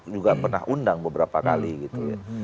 juga pernah undang beberapa kali gitu ya